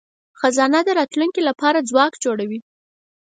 خزانه د راتلونکي لپاره ځواک جوړوي.